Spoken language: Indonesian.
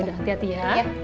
ya udah hati hati ya